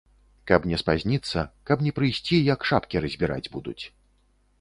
Каб не спазніцца, каб не прыйсці, як шапкі разбіраць будуць.